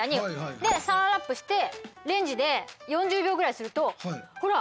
でサランラップしてレンジで４０秒ぐらいするとほら！